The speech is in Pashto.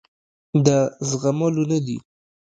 د زغملو نه دي.